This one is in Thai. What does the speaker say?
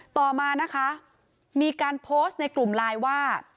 ต่อมานะคะมีการโพสต์ในกลุ่มไลน์ว่า